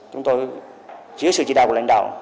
chúng tôi dưới sự chỉ đạo của lãnh đạo